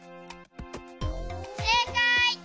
せいかい！